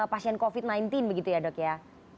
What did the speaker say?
pasien covid sembilan belas begitu ya dok ya